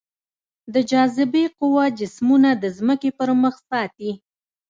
د جاذبې قوه جسمونه د ځمکې پر مخ ساتي.